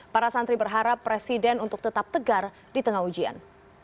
para santri berharap presiden untuk tetap tegar di tengah ujian